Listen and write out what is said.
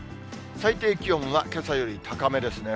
最低気温はけさより高めですね。